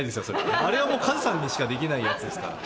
あれはもうカズさんにしかできないやつですから。